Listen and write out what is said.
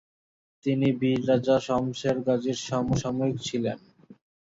তিনি বীর রাজা শমসের গাজীর সমসাময়িক ছিলেন।